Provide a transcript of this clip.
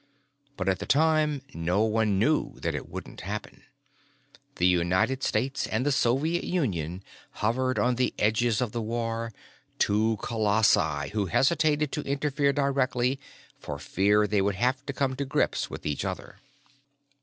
But, at the time, no one knew that it wouldn't happen. The United States and the Soviet Union hovered on the edges of the war, two colossi who hesitated to interfere directly for fear they would have to come to grips with each other.